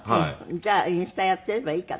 じゃあインスタやっていればいいかな。